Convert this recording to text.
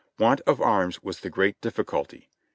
Want of arms was the great difficulty.